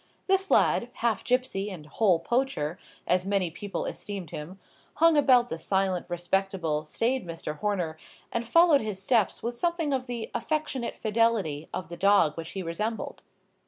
This lad, half gipsy and whole poacher, as many people esteemed him, hung about the silent, respectable, staid Mr. Horner, and followed his steps with something of the affectionate fidelity of the dog which he resembled.